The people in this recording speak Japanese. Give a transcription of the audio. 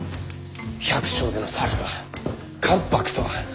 百姓出の猿が関白とは！